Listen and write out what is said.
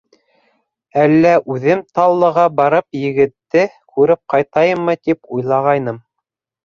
Әллә үҙем Таллыға барып егетте күреп ҡайтайыммы тип уйлағайным.